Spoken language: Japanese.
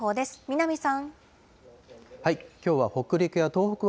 南さん。